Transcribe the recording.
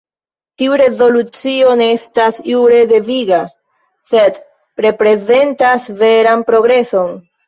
Tiu rezolucio ne estas jure deviga, sed reprezentas veran progreson.